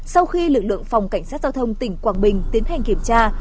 sau khi lực lượng phòng cảnh sát giao thông tỉnh quảng bình tiến hành kiểm tra